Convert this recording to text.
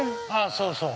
◆そうそう。